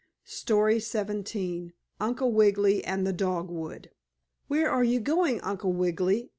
STORY XVII UNCLE WIGGILY AND THE DOGWOOD "Where are you going, Uncle Wiggily?"